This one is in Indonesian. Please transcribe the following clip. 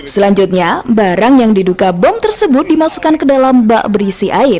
selanjutnya barang yang diduga bom tersebut dimasukkan ke dalam bak berisi air